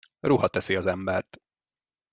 Ruha teszi az embert.